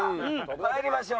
参りましょう。